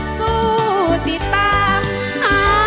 สู้ติดตามอานามสีดา